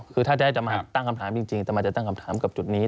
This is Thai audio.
คือถ้าจะให้จะมาตั้งคำถามจริงจะมาจะตั้งคำถามกับจุดนี้